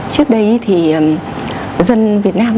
trước đây thì dân việt nam